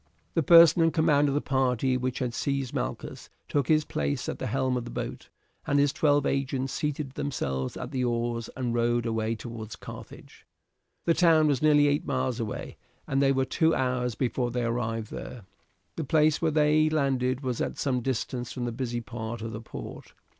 The person in command of the party which had seized Malchus took his place at the helm of the boat, and his twelve agents seated themselves at the oars and rowed away towards Carthage. The town was nearly eight miles away, and they were two hours before they arrived there. The place where they landed was at some distance from the busy part of the port.